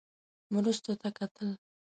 مرستو ته کتل.